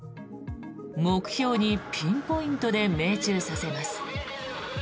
目標にピンポイントで命中させます。